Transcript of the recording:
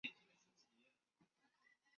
天钿女命。